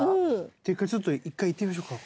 っていうかちょっと一回いってみましょうか。